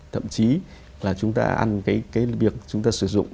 thậm chí là chúng ta ăn cái việc chúng ta sử dụng